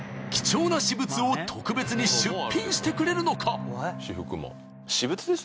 ［貴重な私物を特別に出品してくれるのか？］